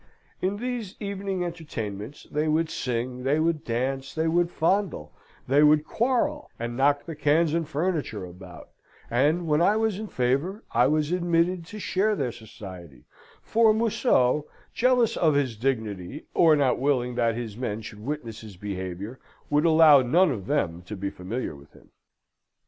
In these evening entertainments, they would sing, they would dance, they would fondle, they would quarrel, and knock the cans and furniture about; and, when I was in favour, I was admitted to share their society, for Museau, jealous of his dignity, or not willing that his men should witness his behaviour, would allow none of them to be familiar with him.